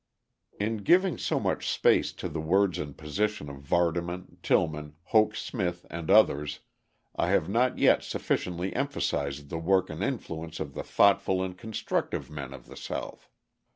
In giving so much space to the words and position of Vardaman, Tillman, Hoke Smith, and others, I have not yet sufficiently emphasised the work and influence of the thoughtful and constructive men of the South.